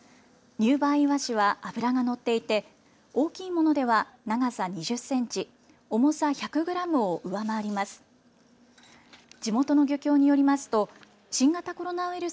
入梅いわしは脂がのっていて大きいものでは長さ２０センチ、重さ１００グラムを上回ります。